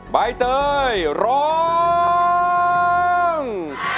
ใบเตยร้อง